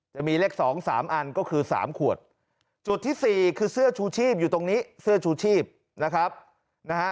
จะมีเลข๒๓อันก็คือ๓ขวดจุดที่๔คือเสื้อชูชีพอยู่ตรงนี้เสื้อชูชีพนะครับนะฮะ